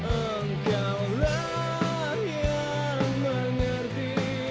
engkau lah yang mengerti